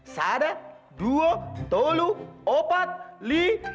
sada dua tolu opat li